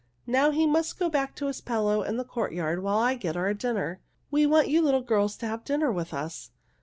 Now he must go back to his pillow in the courtyard while I get our dinner. We want you little girls to have dinner with us."